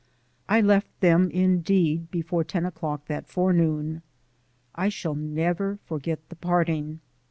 I left them, indeed, before ten o'clock that forenoon. I shall never forget the parting.